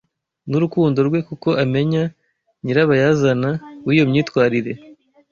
n’urukundo rwe kuko amenya nyirabayazana w’iyo myitwarire